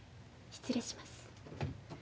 失礼します。